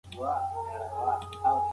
ډېر خلک کولی شي غوښه په عادي اندازه وخوري.